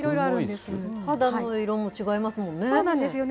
肌の色も違いますもんね。